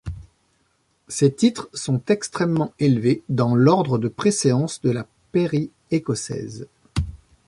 Ses titres sont extrêmement élevés dans l'ordre de préséance de la pairie écossaise.